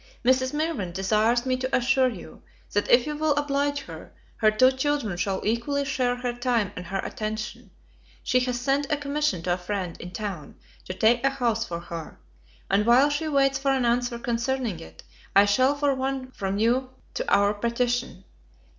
Mrs. Mirvan desires me to assure you, that if you will oblige her, her two children shall equally share her time and her attention. She has sent a commission to a friend in town to take a house for her; and while she waits for an answer concerning it, I shall for one from you to our petition.